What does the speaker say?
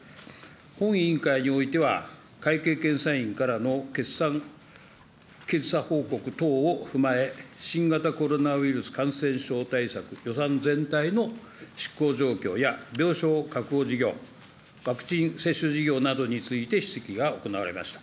本委員会においては、会計検査院からの決算検査報告等を踏まえ、新型コロナウイルス感染症対策予算全体の執行状況や、病床確保事業、ワクチン接種事業などについて質疑が行われました。